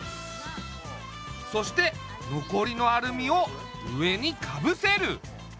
そしてのこりのアルミを上にかぶせる。